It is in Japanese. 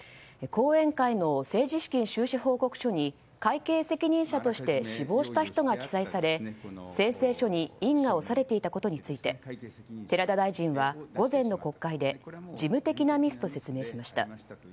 後援会の政治資金収支報告書に会計責任者として死亡した人が記載され宣誓書に印が押されていたことについて寺田大臣は、午前の国会で事務的なミスと説明しました。